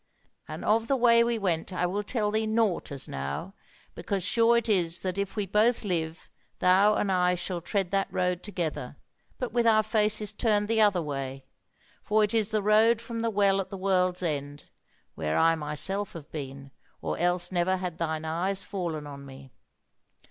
"And of the way we went I will tell thee nought as now, because sure it is that if we both live, thou and I shall tread that road together, but with our faces turned the other way; for it is the road from the Well at the World's End, where I myself have been, or else never had thine eyes fallen on me."